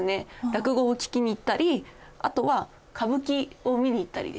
落語を聞きに行ったりあとは歌舞伎を見に行ったりですとか。